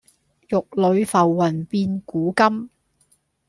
玉壘浮雲變古今。